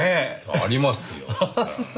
ありますよ。